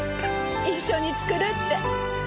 一緒に作るって。